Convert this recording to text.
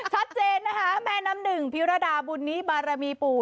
ชัดเจนนะคะแม่น้ำหนึ่งพิรดาบุญนี้บารมีปู่